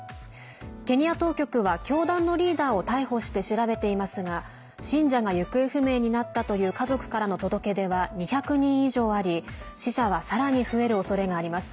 ケニア当局は教団のリーダーを逮捕して調べていますが信者が行方不明になったという家族からの届け出は２００人以上あり、死者はさらに増えるおそれがあります。